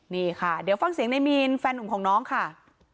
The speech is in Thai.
นี่ค่ะเดี๋ยวฟังเสียงในมีนแฟนหนุ่มของน้องค่ะ